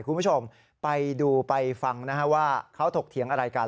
คุณผู้ชมไปดูไปฟังนะฮะว่าเขาถกเถียงอะไรกัน